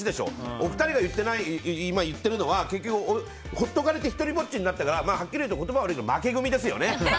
お二人が今言っているのは放っておかれて独りぼっちになったからはっきり言うと、負け組ですよね。